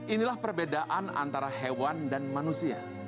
inilah perbedaan antara hewan dan manusia